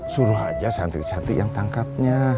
suruh aja santri santri yang tangkapnya